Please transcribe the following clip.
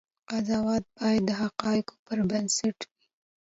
قضاوت باید د حقایقو پر بنسټ وي.